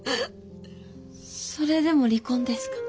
それでも離婚ですか？